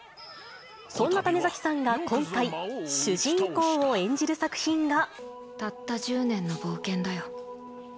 そんな種崎さんが今回、たった１０年の冒険だよ。